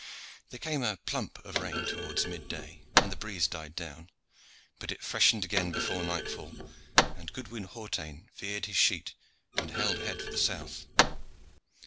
There came a plump of rain towards mid day and the breeze died down, but it freshened again before nightfall, and Goodwin Hawtayne veered his sheet and held head for the south.